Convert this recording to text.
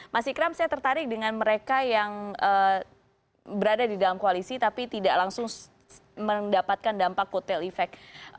masih kerap saya tertarik dengan mereka yang berada di dalam koalisi tapi tidak langsung mendapatkan dampak kuotalefek